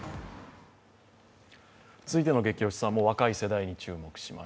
続いての「ゲキ推しさん」も若い世代に注目します。